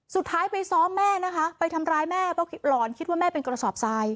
สุดท้ายไปซ้อมแม่นะคะไปทำร้ายแม่เพราะหลอนคิดว่าแม่เป็นกระสอบทราย